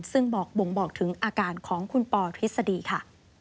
ซึ่งบ่งบอกถึงอาการของคุณปอทฤษฎีค่ะ